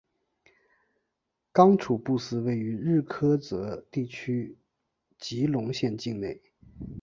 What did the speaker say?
刚楚布寺位于日喀则地区吉隆县境内。